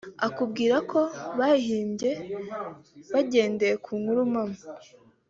akubwira ko bayihimbye bagendeye ku nkuru mpamo